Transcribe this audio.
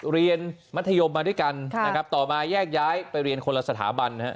เรียนมัธยมมาด้วยกันนะครับต่อมาแยกย้ายไปเรียนคนละสถาบันนะฮะ